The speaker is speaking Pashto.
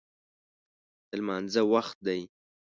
د لمانځه وخت دی